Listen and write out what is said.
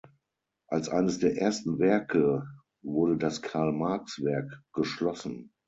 Als eines der ersten Werke wurde das Karl-Marx-Werk geschlossen.